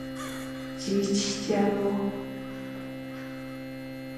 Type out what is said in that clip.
积体电路